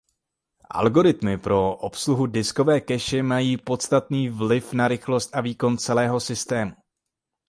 Algoritmy pro obsluhu diskové cache mají podstatný vliv na rychlost a výkon celého systému.